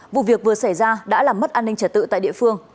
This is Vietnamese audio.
vụ việc vừa xảy ra đã làm mất an ninh trả tự tại địa phương